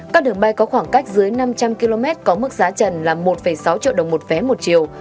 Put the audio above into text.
các đường bay có khoảng cách dưới năm trăm linh km có mức giá trần là một sáu triệu đồng một vé một chiều